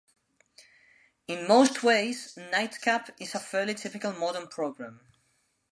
In most ways, KnightCap is a fairly typical modern program.